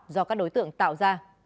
do các đối tượng tạo ra